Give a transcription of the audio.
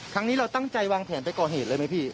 ครั้งนี้เราตั้งใจวางแผนไปก่อเหตุเลยไหมพี่